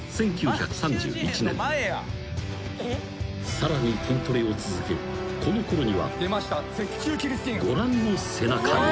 ［さらに筋トレを続けこのころにはご覧の背中に］